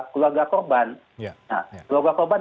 keluarga korban nah keluarga korban